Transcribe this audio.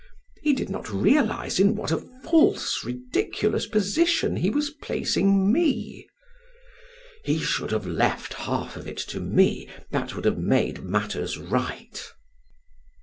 He did not realize in what a false, ridiculous position he was placing me. He should have left half of it to me that would have made matters right."